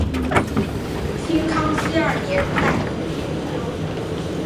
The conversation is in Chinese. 清康熙二年再次重修。